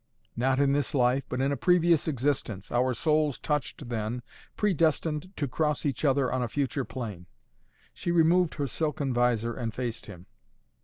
"Not in this life, but in a previous existence. Our souls touched then, predestined to cross each other on a future plane." She removed her silken vizor and faced him.